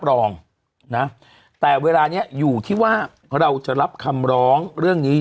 รองนะแต่เวลานี้อยู่ที่ว่าเราจะรับคำร้องเรื่องนี้